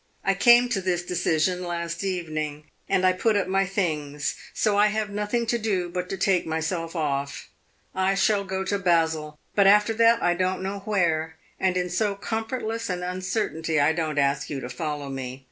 I came to this decision last evening, and I put up my things; so I have nothing to do but to take myself off. I shall go to Basel, but after that I don't know where, and in so comfortless an uncertainty I don't ask you to follow me.